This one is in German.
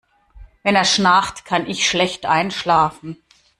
Wenn er schnarcht, kann ich schlecht einschlafen.